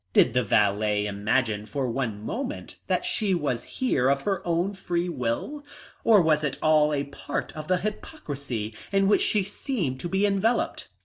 Did the valet imagine for one moment that she was here of her own free will? Or was it all a part of the hypocrisy in which she seemed to be enveloped?